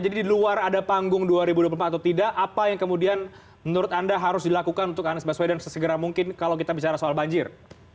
jadi di luar ada panggung dua ribu dua puluh empat atau tidak apa yang kemudian menurut anda harus dilakukan untuk anies baswedan sesegera mungkin kalau kita bicara soal banjir